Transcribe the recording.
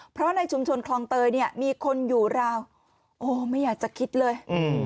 เพราะในชุมชนคลองเตยเนี่ยมีคนอยู่ราวโอ้ไม่อยากจะคิดเลย